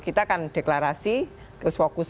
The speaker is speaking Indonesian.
kita akan deklarasi terus fokus